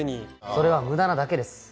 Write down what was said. それは無駄なだけです。